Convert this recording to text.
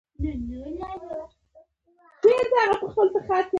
بوټ جوړونکی هم د نانوای په څېر د نورو اړتیاوې بشپړوي